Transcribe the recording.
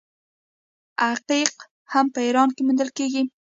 عقیق هم په ایران کې موندل کیږي.